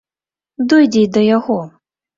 Дойдзе й да яго!